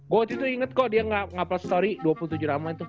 gue waktu itu inget kok dia nge upload story dua puluh tujuh ramai tuh